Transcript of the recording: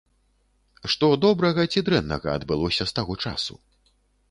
Што добрага ці дрэннага адбылося з таго часу?